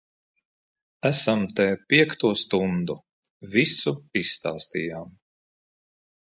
Esam te piekto stundu. Visu izstāstījām.